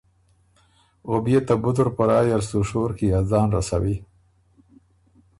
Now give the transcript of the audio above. او بيې ته بُدُر په رایه ر سُو شور کی ا ځان رسوی۔